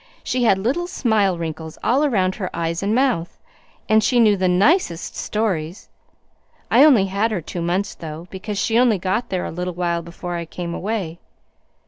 She had little smile wrinkles all around her eyes and mouth, and she knew the NICEST stories. I only had her two months, though, because she only got there a little while before I came away.